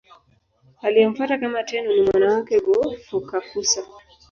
Aliyemfuata kama Tenno ni mwana wake Go-Fukakusa.